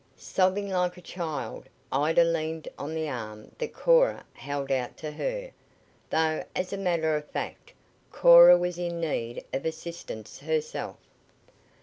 Sobbing like a child, Ida leaned on the arm that Cora held out to her, though as a matter of fact Cora was in need of assistance herself.